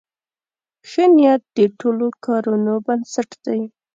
ښه نیت د ټولو کارونو بنسټ دی.